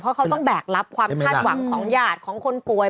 เพราะเขาต้องแบกรับความคาดหวังของญาติของคนป่วย